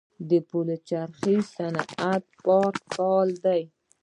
د پلچرخي صنعتي پارک فعال دی